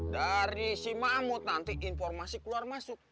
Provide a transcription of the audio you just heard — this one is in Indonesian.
dari si mamut nanti informasi keluar masuk